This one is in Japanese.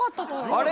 「あれ？